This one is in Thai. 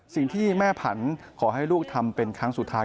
สิ่งที่แม่ผันขอให้ลูกทำเป็นครั้งสุดท้าย